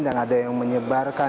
dan ada yang menyebarkan dokumen